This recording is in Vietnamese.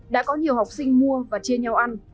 đã có nhiều học sinh mua và chia nhau ăn